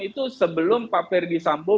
itu sebelum pak ferdi sambo